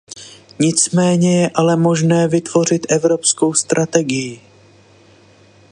Nicméně je ale možné vytvořit evropskou strategii.